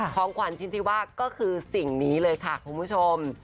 ของขวัญชิ้นที่ว่าก็คือสิ่งนี้เลยค่ะคุณผู้ชม